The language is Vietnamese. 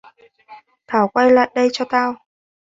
Thảo quay lại đây cho tao